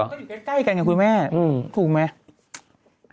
มันก็จะไปใกล้กันไงคุณแม่ถูกไหม